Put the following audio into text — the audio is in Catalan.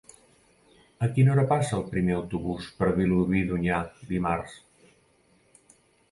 A quina hora passa el primer autobús per Vilobí d'Onyar dimarts?